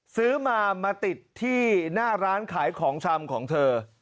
ซื้อมามาติดที่หน้าร้านขายของชำของเธอ